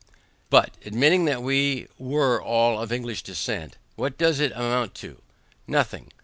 But admitting, that we were all of English descent, what does it amount to? Nothing.